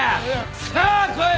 さあ来い。